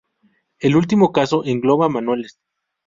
El último caso engloba manuales.